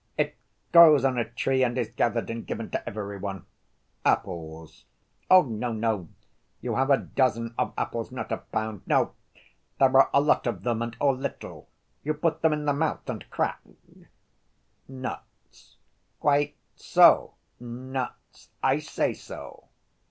"It grows on a tree and is gathered and given to every one...." "Apples?" "Oh, no, no. You have a dozen of apples, not a pound.... No, there are a lot of them, and all little. You put them in the mouth and crack." "Nuts?" "Quite so, nuts, I say so."